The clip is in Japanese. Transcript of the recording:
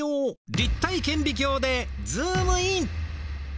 立体顕微鏡でズームイン！